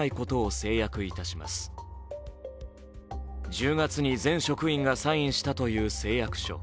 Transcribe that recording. １０月に全職員がサインしたという誓約書。